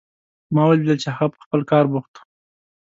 ما ولیدل چې هغه په خپل کار بوخت و